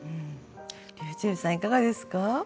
りゅうちぇるさんいかがですか？